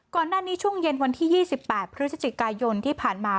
ก่อนด้านนี้ช่วงเย็นวันที่ยี่สิบแปดพฤศจิกายนที่ผ่านมา